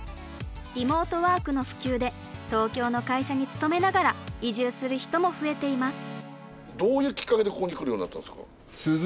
リモートワークの普及で東京の会社に勤めながら移住する人も増えています。